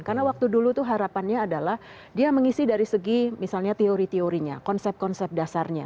karena waktu dulu tuh harapannya adalah dia mengisi dari segi misalnya teori teorinya konsep konsep dasarnya